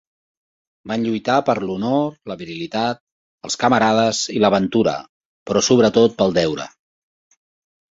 Van lluitar per l'honor, la virilitat, els camarades i l'aventura, però sobretot pel deure.